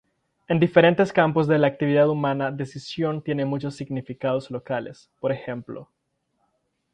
En diferentes campos de la actividad humana, decisión tiene muchos significados locales, por ejemplo